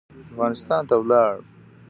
افغانستان ته ولاړ.